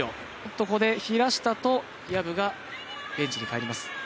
ここで平下と薮がベンチに帰ります。